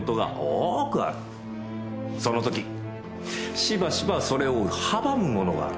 その時しばしばそれを阻むものがある。